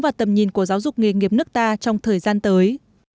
và tầm nhìn của giáo dục nghề nghiệp nước ta trong thời gian tới